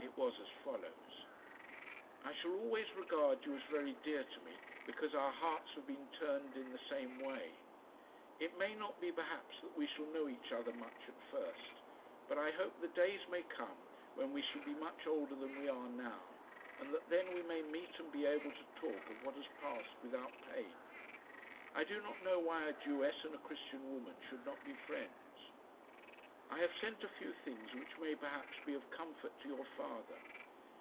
It was as follows: I shall always regard you as very dear to me, because our hearts have been turned in the same way. It may not be perhaps that we shall know each other much at first; but I hope the days may come when we shall be much older than we are now, and that then we may meet and be able to talk of what has passed without pain. I do not know why a Jewess and a Christian woman should not be friends. I have sent a few things which may perhaps be of comfort to your father.